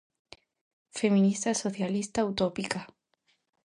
Feminista e socialista utópica.